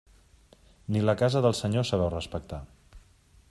Ni la casa del Senyor sabeu respectar.